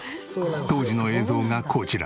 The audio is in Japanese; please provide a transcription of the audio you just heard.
当時の映像がこちら。